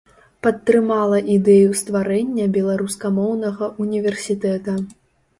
Падтрымала ідэю стварэння беларускамоўнага ўніверсітэта.